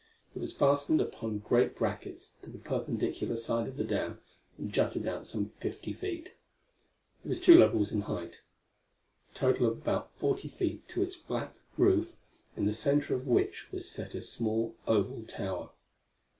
It was fastened upon great brackets to the perpendicular side of the dam and jutted out some fifty feet. It was two levels in height a total of about forty feet to its flat roof, in the center of which was set a small oval tower.